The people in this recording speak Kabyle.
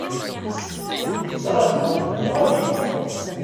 Yettraju-k deg uxxam-iw.